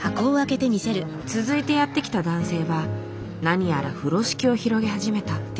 続いてやって来た男性は何やら風呂敷を広げ始めた。